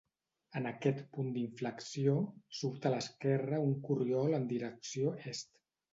En aquest punt d'inflexió, surt a l'esquerra un corriol en direcció est.